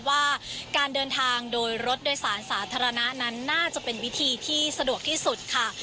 ว่าการเดินทางโดยรถโดยสารสาธารณะนั้นน่าจะเป็นวิธีที่สะดวกที่สุดค่ะ